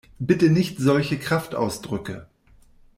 Bitte nicht solche Kraftausdrücke!